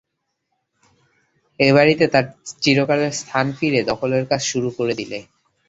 এ বাড়িতে তার চিরকালের স্থান ফিরে দখলের কাজ শুরু করে দিলে।